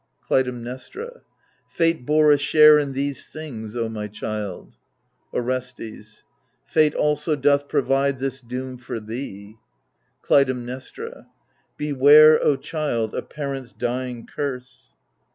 Clytemnestra Fate bore a share in these things, O my child 1 Orestes Fate also doth provide this doom for thee. Clytemnestra Beware, O child, a parent's dying curse.